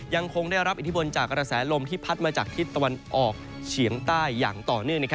ยังคงได้รับอิทธิพลจากกระแสลมที่พัดมาจากทิศตะวันออกเฉียงใต้อย่างต่อเนื่อง